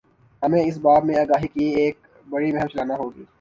ہمیں اس باب میں آگاہی کی ایک بڑی مہم چلانا ہو گی۔